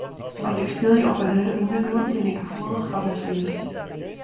As ik spylje op in hurde ûndergrûn bin ik gefoelich foar blessueres.